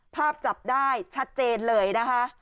จับได้ชัดเจนเลยนะคะ